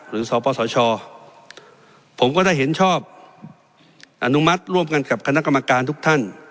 สปสชผมก็ได้เห็นชอบอนุมัติร่วมกันกับคณะกรรมการทุกท่าน